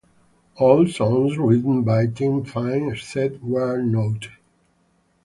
All songs written by Tim Finn, except where noted.